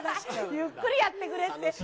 ゆっくりやってくれって。